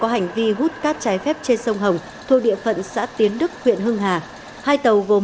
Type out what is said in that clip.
có hành vi hút cát trái phép trên sông hồng thuộc địa phận xã tiến đức huyện hưng hà hai tàu gồm